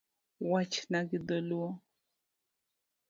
Wachna gi dholuo